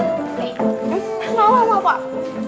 nggak mau nggak mau pak